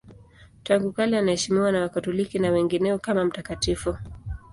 Tangu kale anaheshimiwa na Wakatoliki na wengineo kama mtakatifu.